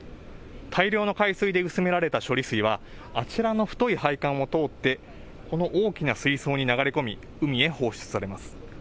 大量の海水で薄められた処理水はあちらの太い配管を通ってこの大きな水槽に流れ込み海へ放出されます。